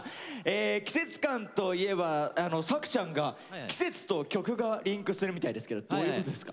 季節感といえば作ちゃんが季節と曲がリンクするみたいですけどどういうことですか？